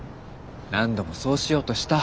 何度もそうしようとした。